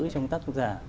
trong tác giả